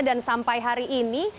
dan sampai hari ini